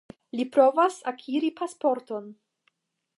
Li provas akiri pasporton.